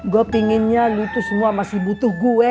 gua pengennya lo tuh semua masih butuh gue